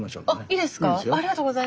いいですよ。